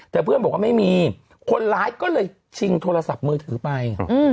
แต่เพื่อนบอกว่าไม่มีคนร้ายก็เลยชิงโทรศัพท์มือถือไป